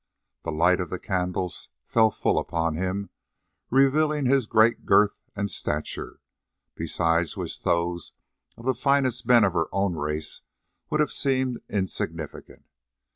The light of the candles fell full upon him, revealing his great girth and stature, beside which those of the finest men of her own race would have seemed insignificant.